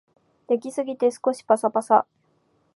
焼きすぎて少しパサパサ